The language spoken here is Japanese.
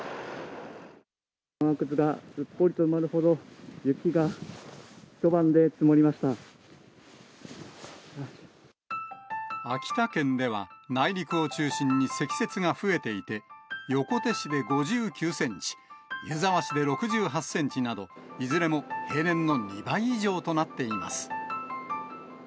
長靴がすっぽりと埋まるほど秋田県では内陸を中心に積雪が増えていて、横手市で５９センチ、湯沢市で６８センチなど、いずれも平年の２倍以上となっています。